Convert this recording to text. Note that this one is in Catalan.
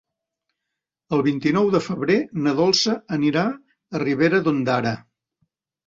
El vint-i-nou de febrer na Dolça anirà a Ribera d'Ondara.